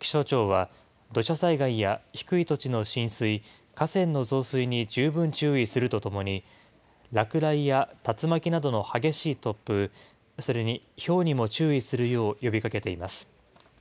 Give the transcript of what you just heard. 気象庁は土砂災害や低い土地の浸水、河川の増水に十分注意するとともに、落雷や竜巻などの激しい突風、それにひょうにも注意するよう呼びかけています。